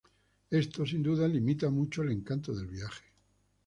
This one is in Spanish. Esto, sin duda, limita mucho el encanto del viaje.